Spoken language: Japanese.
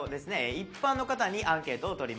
一般の方にアンケートを取りました。